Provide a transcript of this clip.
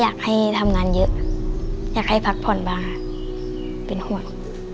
อยากให้ทำงานเยอะอยากให้พักผ่อนบ้างเป็นห่วง